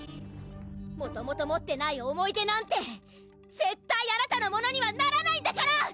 もともと持ってない思い出なんて絶対あなたのものにはならないんだから！